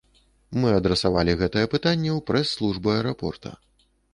Мы адрасавалі гэтае пытанне ў прэс-службу аэрапорта.